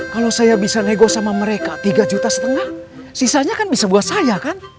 kalau saya bisa nego sama mereka tiga juta setengah sisanya kan bisa buat saya kan